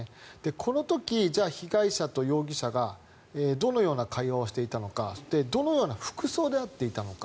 この時、じゃあ被害者と容疑者がどのような会話をしていたのかどのような服装で会っていたのか。